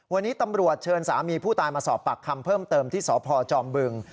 วันนี้ตำรวจเชิญสามีผู้ตายมาสอบปากคำเพิ่มเติมที่สพจอมบึง